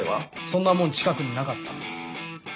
そんなもん近くになかった。